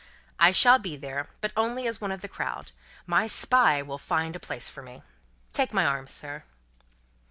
"I shall be there, but only as one of the crowd. My Spy will find a place for me. Take my arm, sir."